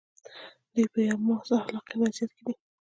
دوی په یوه محض اخلاقي وضعیت کې دي.